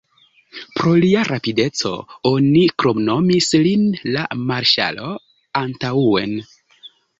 Pro lia rapideco oni kromnomis lin "La marŝalo antaŭen".